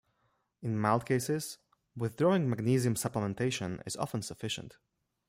In mild cases, withdrawing magnesium supplementation is often sufficient.